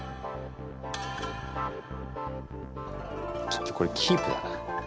ちょっとこれキープだな。